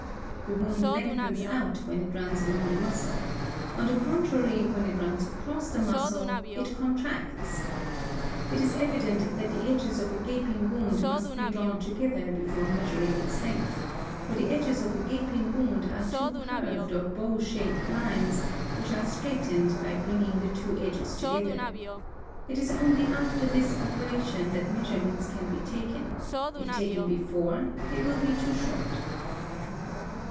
The wound lengthens out when it ; runs along the muscle; on the contrary, when it runs across the muscle it contracts. It is evident that the edges of a gaping wound must be drawn together before measuring its length; for the edges of a gaping wound are two curved or bow shaped lines, which are straightened by bringing the two edges together. It is only after this | operation that measurements can be taken; if taken before they will | be too short.